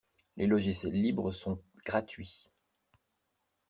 Les logiciels libres sont gratuits.